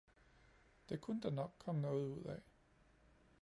Det kunne der nok komme noget ud af.